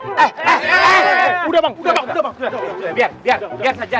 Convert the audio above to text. udah udah udah udah biar biar biar biar saja